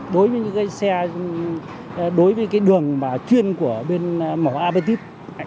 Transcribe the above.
đối với những cái xe đối với cái đường mà chuyên của bên mỏ abtip